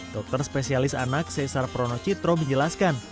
dokter spesialis anak cesar prono citro menjelaskan